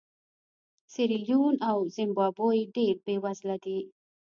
سیریلیون او زیمبابوې ډېر بېوزله دي.